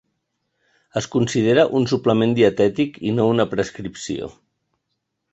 Es considera un suplement dietètic i no una prescripció.